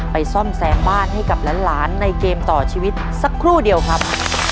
ซ่อมแซมบ้านให้กับหลานในเกมต่อชีวิตสักครู่เดียวครับ